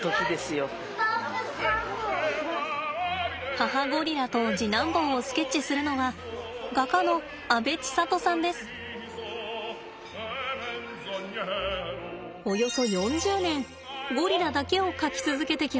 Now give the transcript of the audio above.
母ゴリラと次男坊をスケッチするのはおよそ４０年ゴリラだけを描き続けてきました。